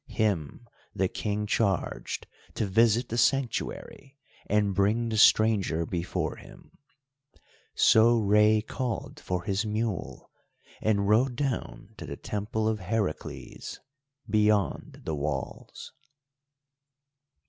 Him the King charged to visit the Sanctuary and bring the stranger before him. So Rei called for his mule, and rode down to the Temple of Heracles beyond the walls.